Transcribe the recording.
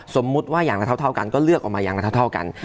สมมุติว่าอย่างละเท่ากันก็เลือกออกมาอย่างละเท่ากัน